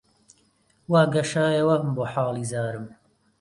وا گەشایەوە بۆ حاڵی زارم